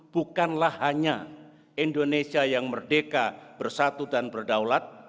bukanlah hanya indonesia yang merdeka bersatu dan berdaulat